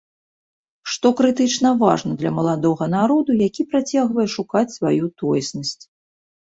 Што крытычна важна для маладога народу, які працягвае шукаць сваю тоеснасць.